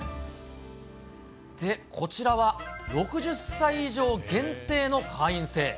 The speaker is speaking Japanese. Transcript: で、こちらは６０歳以上限定の会員制。